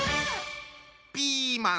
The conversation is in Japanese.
ピーマン。